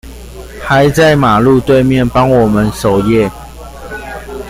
還在馬路對面幫我們守夜